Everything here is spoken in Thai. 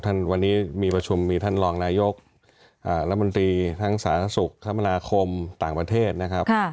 วันนี้มีประชุมมีท่านรองนายกรัฐมนตรีทั้งสาธารณสุขคมนาคมต่างประเทศนะครับ